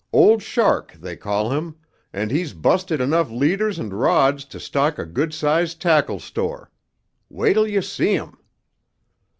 Old Shark, they call him, and he's busted enough leaders and rods to stock a good sized tackle store. Wait'll you see him."